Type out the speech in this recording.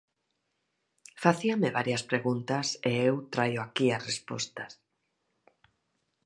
Facíame varias preguntas e eu traio aquí as respostas.